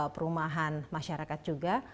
perumahan masyarakat juga